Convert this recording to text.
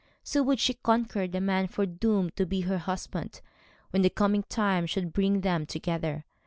So would she conquer the man foredoomed to be her husband when the coming time should bring them together.